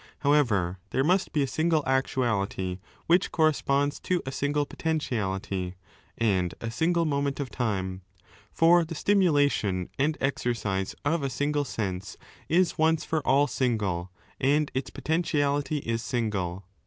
However, there must be a single actuality which corresponds to a single potentiality and a single moment of time; for the stimulation and exercise of a single sense is once for all single and its potentiality is single.